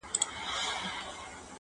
ځيني خلک موضوع عادي ګڼي او حساسيت نه لري